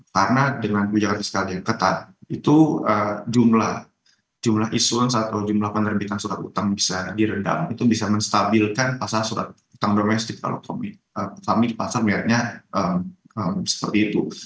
karena dengan kebijakan fiskal yang ketat jumlah issuance atau jumlah penerbitan surat utang bisa direndam itu bisa menstabilkan pasar surat utang domestik kalau kami di pasar melihatnya seperti itu